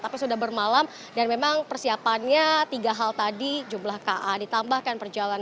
tapi sudah bermalam dan memang persiapannya tiga hal tadi jumlah ka ditambahkan perjalanan